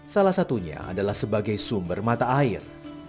salah satunya adalah sebagai sumber mata air